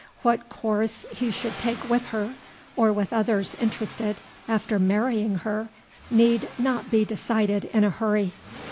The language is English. What course he should take with her, or with others interested, after marrying her, need not be decided in a hurry.